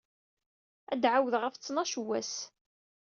Ad d-ɛawdeɣ ɣef ttnac n wass.